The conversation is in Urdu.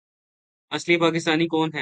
اصلی پاکستانی کون ہے